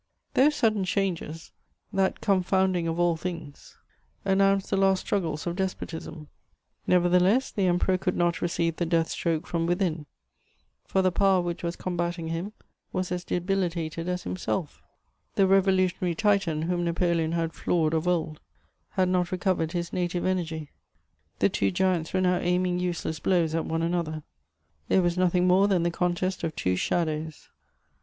* Those sudden changes, that confounding of all things, announced the last struggles of despotism. Nevertheless, the Emperor could not receive the death stroke from within, for the power which was combating him was as debilitated as himself; the revolutionary Titan, whom Napoleon had floored of old, had not recovered his native energy; the two giants were now aiming useless blows at one another; it was nothing more than the contest of two shadows.